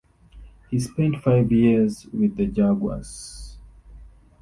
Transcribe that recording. He spent five years with the Jaguars.